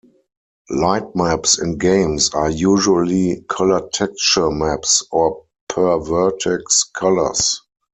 Lightmaps in games are usually colored texture maps, or per vertex colors.